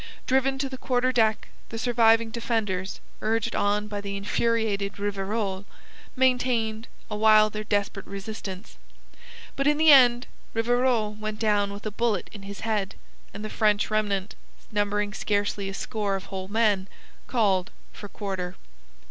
Driven to the quarter deck, the surviving defenders, urged on by the infuriated Rivarol, maintained awhile their desperate resistance. But in the end, Rivarol went down with a bullet in his head, and the French remnant, numbering scarcely a score of whole men, called for quarter.